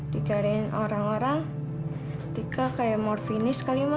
dicariin orang orang tika kayak morphine sekali ma